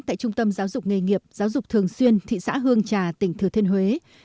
tại trung tâm giáo dục nghề nghiệp giáo dục thường xuyên thị xã hương trà tỉnh thừa thiên huế